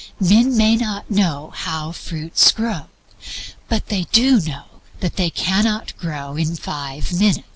Men may not know how fruits grow, but they do know that they cannot grow in an hour.